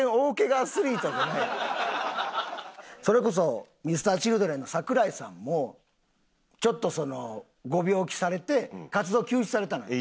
それこそＭｒ．Ｃｈｉｌｄｒｅｎの桜井さんもちょっとそのご病気されて活動休止されたのよ。